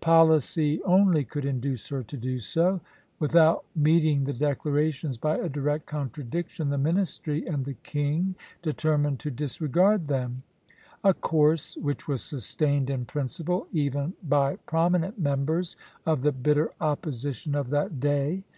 Policy only could induce her to do so. Without meeting the declarations by a direct contradiction, the ministry and the king determined to disregard them, a course which was sustained in principle even by prominent members of the bitter opposition of that day.